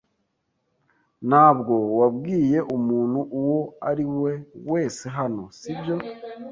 Ntabwo wabwiye umuntu uwo ari we wese hano, si byo?